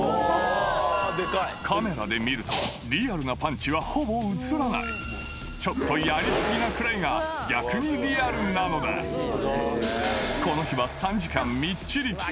カメラで見るとリアルなパンチはほぼ映らないちょっとやり過ぎなくらいが逆にリアルなのだこの日はいいよ！